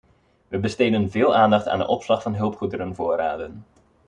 We besteden veel aandacht aan de opslag van hulpgoederenvoorraden.